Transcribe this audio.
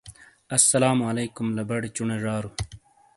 السّلام علیکم ! لا بڑے چُنے زارو!